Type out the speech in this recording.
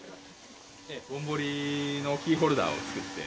ぼんぼりのキーホルダーを作っています。